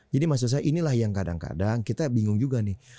jadi maksud saya inilah yang kadang kadang kita bingung juga nih